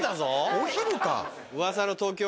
お昼か。